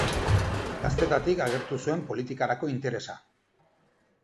Gaztetatik agertu zuen politikarako interesa.